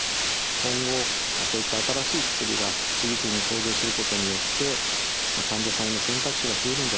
今後こういった新しい薬が次々に登場することによって患者さんへの選択肢が増えるんじゃないかなと期待しています。